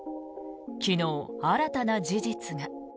昨日、新たな事実が。